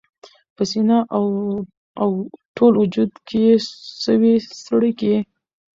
په سینه او ټول وجود کي یې سوې څړیکي